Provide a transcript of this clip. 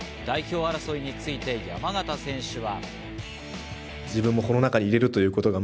代表争いについて山縣選手は。